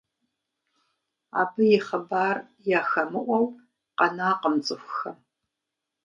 Абы и хъыбар яхэмыӀуэу къэнакъым цӀыхухэм.